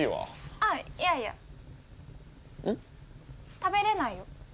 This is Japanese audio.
食べれないよ。